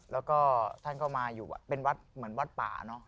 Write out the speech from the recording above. แล้วก็ท่านก็มาอยู่เป็นวัดเหมือนวัดป่าเนอะ